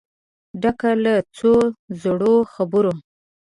ډک له څو زړو خبرو